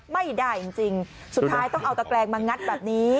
ไม่ได้จริงสุดท้ายต้องเอาตะแกรงมางัดแบบนี้